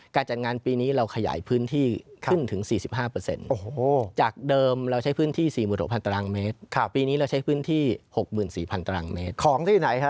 การจัดงานปีนี้เราขยายพื้นที่ขึ้นถึง๔๕